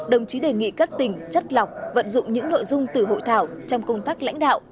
đồng chí đề nghị các tỉnh chất lọc vận dụng những nội dung từ hội thảo trong công tác lãnh đạo